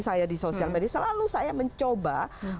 saya di sosial media selalu saya mencoba